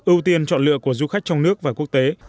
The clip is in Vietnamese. ưu tiên chọn lựa của du khách trong nước và quốc tế